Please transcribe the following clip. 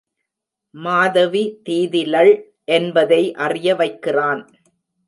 மாதவி தீதிலள் என்பதை அறிய வைக்கிறான்.